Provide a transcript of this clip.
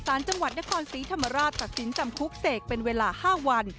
สารจังหวัดนครศรีธรรมราชตัดสินจำคุกเสกเป็นเวลา๕วัน